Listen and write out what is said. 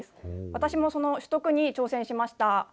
私もその取得に挑戦しました。